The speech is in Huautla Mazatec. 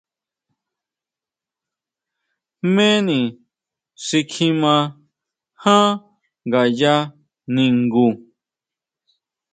¿Jméni xi kjima jan ngaya ningu?